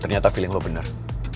ternyata feeling lo bener